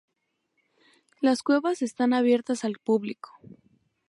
Las cuevas están abiertas al público.